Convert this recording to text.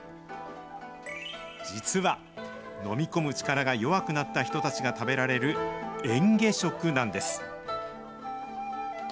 実は、飲み込む力が弱くなった人たちが食べられる嚥下食なんです。